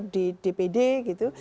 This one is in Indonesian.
di dpd gitu